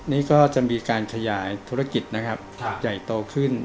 นี่ก็จะมีการขยายธุรกิจนะครับใหญ่โตขึ้น